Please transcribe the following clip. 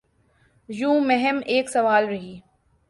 یوں مہم ایک سال رہی۔